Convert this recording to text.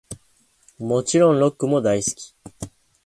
もちろんロックも大好き♡